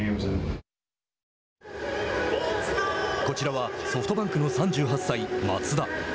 こちらはソフトバンクの３８歳、松田。